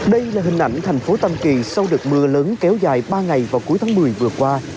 đây là hình ảnh thành phố tâm kỳ sau đợt mưa lớn kéo dài ba ngày vào cuối tháng một mươi vừa qua